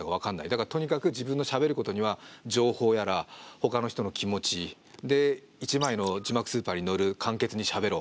だからとにかく自分のしゃべることには情報やらほかの人の気持ち１枚の字幕スーパーに載る簡潔にしゃべろう。